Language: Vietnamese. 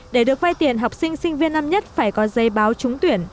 để được vay tiền học sinh sinh viên năm nhất phải có giấy báo trúng tuyển